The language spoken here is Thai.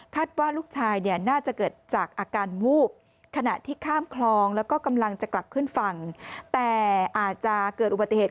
คาดว่าลูกชายเนี่ยน่าจะเกิดจากอาการวูบ